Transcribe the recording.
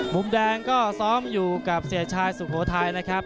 มุมแดงก็ซ้องอยู่กับเสียชายศุโครไทยครับ